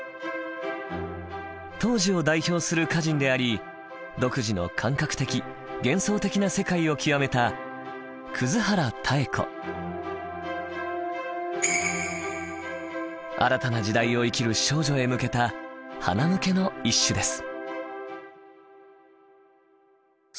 当時を代表する歌人であり独自の感覚的幻想的な世界を極めた新たな時代を生きる少女へ向けたはなむけの一首です。